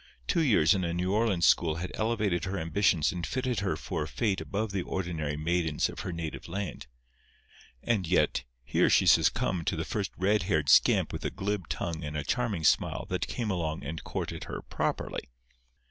Two years in a New Orleans school had elevated her ambitions and fitted her for a fate above the ordinary maidens of her native land. And yet here she succumbed to the first red haired scamp with a glib tongue and a charming smile that came along and courted her properly.